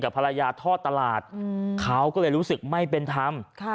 ภรรยาทอดตลาดเขาก็เลยรู้สึกไม่เป็นธรรม